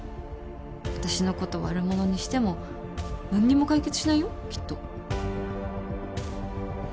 私のこと悪者にしても何にも解決しないよきっと。